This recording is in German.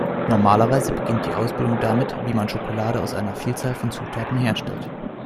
Normalerweise beginnt die Ausbildung damit, wie man Schokolade aus einer Vielzahl von Zutaten herstellt.